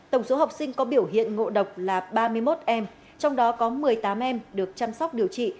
tổng số học sinh có biểu hiện ngộ độc là ba mươi một em trong đó có một mươi tám em được chăm sóc điều trị